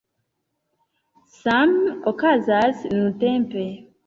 Same okazas nuntempe.